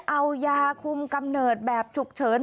เอายาคุมกำเนิดแบบฉุกเฉิน